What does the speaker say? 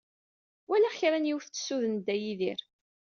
Walaɣ kra n yiwet tsuden Dda Yidir.